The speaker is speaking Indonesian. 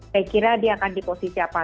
saya kira dia akan di posisi apa